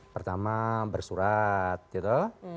pertama bersurat gitu